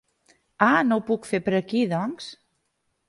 Ah no ho puc fer per aquí doncs?